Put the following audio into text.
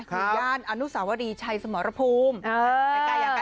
ย่านอนุสาวรีชัยสมรภูมิ